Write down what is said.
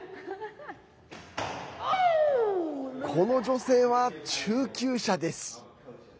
この女性は中級者です。